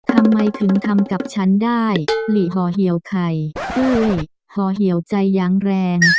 ทำไมถึงทำกับฉันได้ลิหอเหี่ยวใครเอ้ยหอเหี่ยวใจยังแรง